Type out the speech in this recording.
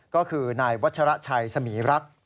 ก็คือนายวัชระชัยสมีรักษ์